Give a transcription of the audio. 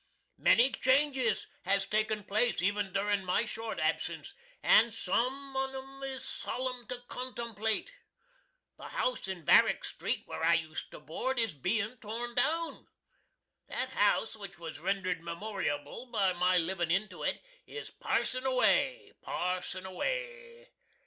Many changes has taken place, even durin' my short absence, & sum on um is Sollum to contempulate. The house in Varick street, where I used to Board, is bein' torn down. That house, which was rendered memoriable by my livin' into it, is "parsin' away! parsin' away!"